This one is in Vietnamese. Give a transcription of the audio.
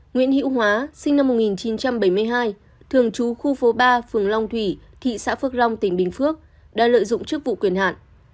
nguyễn hữu hóa sinh năm một nghìn chín trăm bảy mươi hai thường trú khu phố ba phường long thủy thị xã phước long tỉnh bình phước đã lợi dụng chức vụ quyền hạn